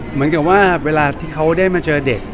เหมือนกับว่าเวลาที่เขาได้มาเจอเด็ก